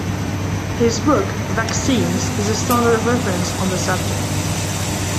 His book, "Vaccines", is the standard reference on the subject.